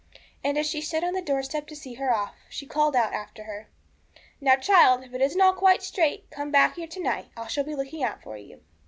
And as she stood on the doorstep to see her off, she called out after her 'Now, child, if all isn't quite straight, come back here to night; I shall be looking out for you.'